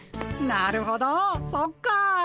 なるほどそっか。